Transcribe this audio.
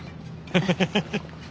ハハハハ。